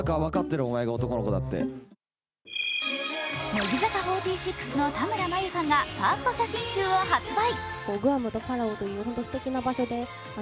乃木坂４６の田村真佑さんがファースト写真集を発売。